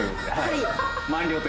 満了と。